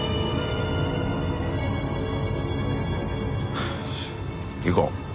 フゥよし行こう。